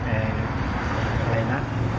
อะไรนะ